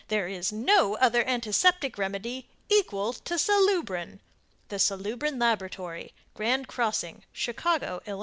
There is no other antiseptic remedy equal to SALUBRIN. THE SALUBRIN LABORATORY Grand Crossing CHICAGO, ILL.